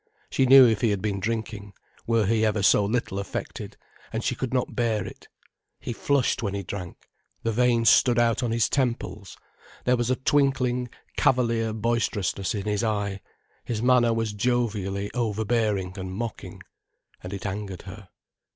She knew if he had been drinking, were he ever so little affected, and she could not bear it. He flushed when he drank, the veins stood out on his temples, there was a twinkling, cavalier boisterousness in his eye, his manner was jovially overbearing and mocking. And it angered her.